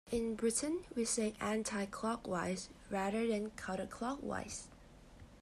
In Britain we say Anti-clockwise rather than Counterclockwise